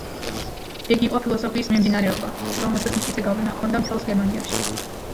იგი იყო ფილოსოფიის მიმდინარეობა, რომელსაც მტკიცე გავლენა ჰქონდა მთელს გერმანიაში.